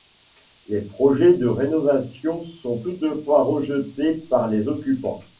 Les projets de rénovation sont toutefois rejetés par les occupants.